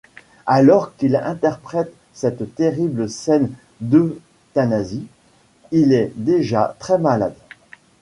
Alors qu'il interprète cette terrible scène d'euthanasie, il est déjà très malade.